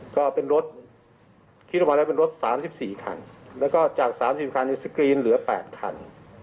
ก็เป็นรถคิดออกมาแล้วเป็นรถ๓๔คันแล้วก็จาก๓๐คันสกรีนเหลือ๘คัน